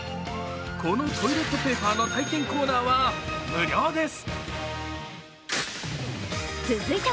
このトイレットペーパーの体験コーナーは無料です。